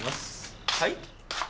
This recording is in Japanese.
はい？